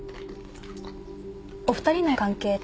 お二人の関係って。